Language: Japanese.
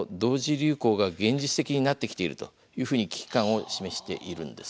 流行が現実的になってきているというふうに危機感を示しているんです。